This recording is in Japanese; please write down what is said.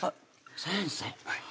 先生